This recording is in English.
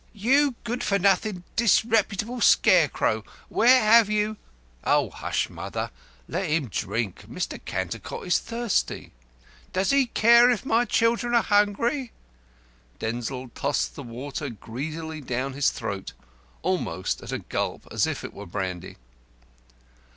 "You good for nothing, disreputable scare crow, where have " "Hush, mother. Let him drink. Mr. Cantercot is thirsty." "Does he care if my children are hungry?" Denzil tossed the water greedily down his throat almost at a gulp, as if it were brandy.